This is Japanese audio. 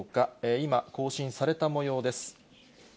今、更新されたもようです。